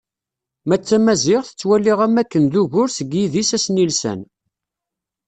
Ma d Tamaziɣt, ttwaliɣ am wakken d ugur seg yidis asnilsan.